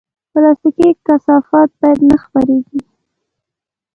پلاستيکي کثافات باید نه خپرېږي.